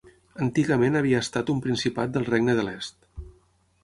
Antigament havia estat un principat del regne de l'est.